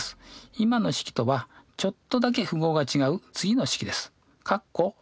今の式とはちょっとだけ符号が違う次の式です。